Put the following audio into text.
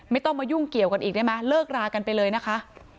ไม่ต้องมายุ่งเกี่ยวกันอีกได้ไหมเลิกรากันไปเลยนะคะ